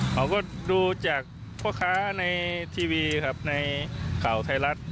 เขาก็ดูจากพ่อค้าในทีวีครับในข่าวไทยรัฐ